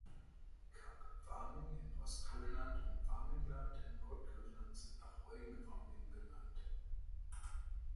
Kap Warming in Ostgrönland und Warming Land in Nordgrönland sind nach Eugen Warming benannt.